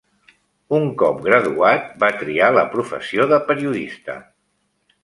Un cop graduat va triar la professió de periodista.